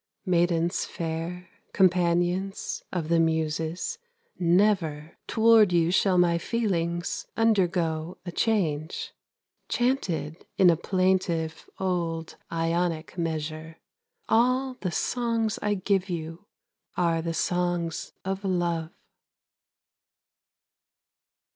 Maidens fair, companions Of the Muses, never Toward you shall my feelings Undergo a change. Chanted in a plaintive Old Ionic measure, All the songs I give you Are the songs of love.